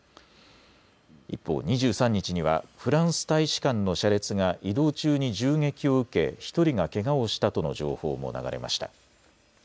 一方、２３日にはフランス大使館の車列が移動中に銃撃を受け１人がけがをしたとの情報も流れました。